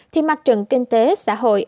thì mặt trận kinh tế xã hội